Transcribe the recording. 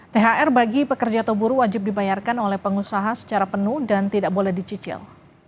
thr bagi pekerja atau buruh wajib dibayarkan oleh pengusaha secara penuh dan tidak boleh dicicil